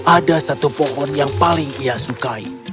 ada satu pohon yang paling ia sukai